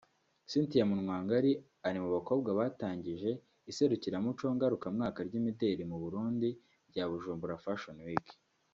Cynthia Munwangari ari mu bakobwa batangije iserukiramuco ngarukamwaka ry’Imideli mu Burundi rya Bujumbura Fashion Week